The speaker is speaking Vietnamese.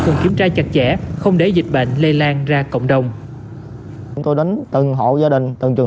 cơ sở chặt chẽ không để dịch bệnh lây lan ra cộng đồng chúng tôi đến từng hộ gia đình từng trường